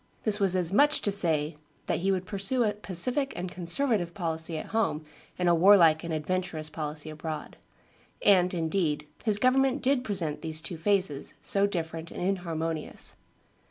This was as much as to say that he would pursue a pacific and conservative policy at home and a warlike and adventurous policy abroad. And, indeed, his government did present these two phases, so different and inharmonious.